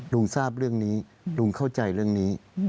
ลุงทราบเรื่องนี้ลุงเข้าใจเรื่องนี้